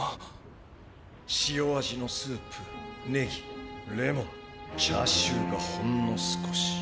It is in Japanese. しお味のスープネギレモンチャーシューがほんの少し。